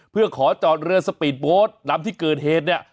เพื่อขอจอดเรือสปีดโบสต์ลำที่เกิดเหตุเนี่ย